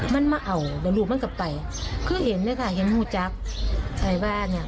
มันมาเอาแต่ลูกมันกลับไปคือเห็นเลยค่ะเห็นหูจักอะไรบ้างเนี้ย